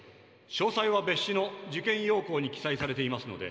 詳細は別紙の受験要項に記載されていますので参照の上。